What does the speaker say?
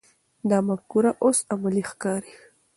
دا مفکوره اوس عملي ښکاري.